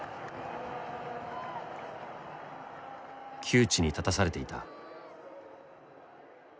窮地に立たされていた。